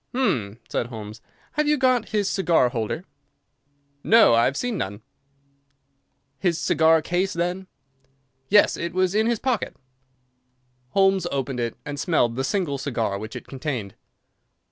"Hum!" said Holmes, "have you got his cigar holder?" "No, I have seen none." "His cigar case, then?" "Yes, it was in his coat pocket." Holmes opened it and smelled the single cigar which it contained.